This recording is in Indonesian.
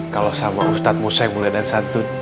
kalau sama ustaz musa yang mulia dan santun